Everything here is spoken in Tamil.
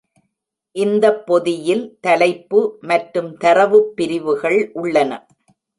இந்தப் பொதியில் தலைப்பு மற்றும் தரவுப் பிரிவுகள் உள்ளன.